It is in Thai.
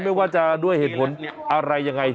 ไม่ว่าจะด้วยเหตุผลอะไรยังไง